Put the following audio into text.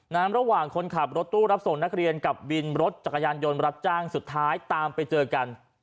ระหว่างคนขับรถตู้รับส่งนักเรียนกับวินรถจักรยานยนต์รับจ้างสุดท้ายตามไปเจอกัน